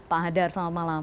pak hadar selamat malam